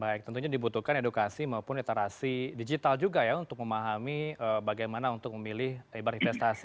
baik tentunya dibutuhkan edukasi maupun literasi digital juga ya untuk memahami bagaimana untuk memilih ibarat investasi